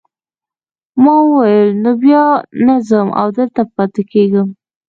ما وویل نو بیا نه ځم او دلته پاتې کیږم.